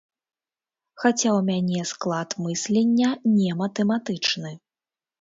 Хаця ў мяне склад мыслення не матэматычны.